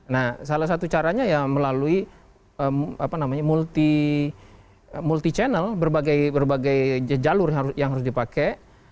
nah salah satu caranya ya melalui multi channel berbagai jalur yang harus dipakai